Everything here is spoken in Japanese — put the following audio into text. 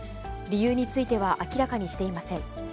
理由については明らかにしていません。